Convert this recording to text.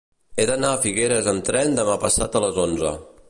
He d'anar a Figueres amb tren demà passat a les onze.